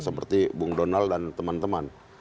seperti bung donald dan teman teman